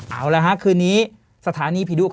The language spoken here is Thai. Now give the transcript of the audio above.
เอาละฮะคืนนี้สถานีผีดุ